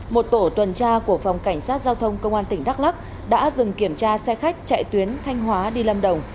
một tổ tuần tra của phòng cảnh sát giao thông công an tỉnh đắk lắc đã dừng kiểm tra xe khách chạy tuyến thanh hóa đi lâm đồng